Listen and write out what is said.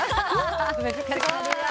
難しい。